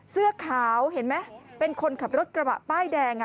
เสื้อขาวเห็นไหมเป็นคนขับรถกระบะป้ายแดง